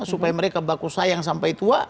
supaya mereka baku sayang sampai tua